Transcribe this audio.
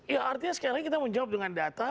ya artinya sekali lagi kita menjawab dengan data